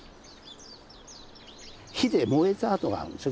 火で燃えた跡があるんですよ。